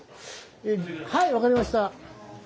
はい分かりました。